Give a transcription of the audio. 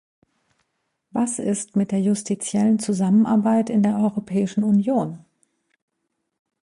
Was ist mit der justitiellen Zusammenarbeit in der Europäischen Union?